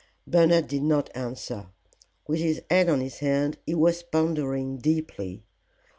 Bernard did not answer. With his head on his hand he was pondering deeply.